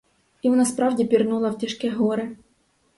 І вона справді пірнула в тяжке горе.